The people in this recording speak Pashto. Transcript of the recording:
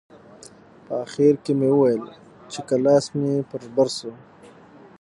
په اخر کښې مې وويل چې که لاس مې پر بر سو.